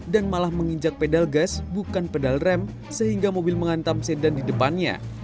dan malah menginjak pedal gas bukan pedal rem sehingga mobil mengantam sedan di depannya